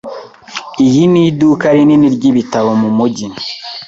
Iyi ni iduka rinini ryibitabo mumujyi.